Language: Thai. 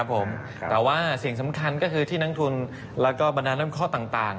แต่ว่าสิ่งสำคัญก็คือที่นักทุนแล้วก็บรรดาน้ำข้อต่าง